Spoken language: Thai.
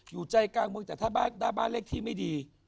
อยู่ใจกลางเมืองแต่ถ้าหน้าบ้านเลขที่ไม่ดี